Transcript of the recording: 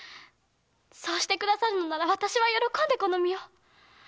そうしてくださるのなら私は喜んでこの身を！